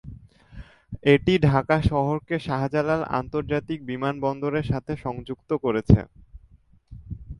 এটি ঢাকা শহরকে শাহজালাল আন্তর্জাতিক বিমানবন্দরের সাথে সংযুক্ত করেছে।